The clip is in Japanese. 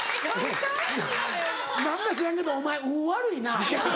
何か知らんけどお前運悪いな。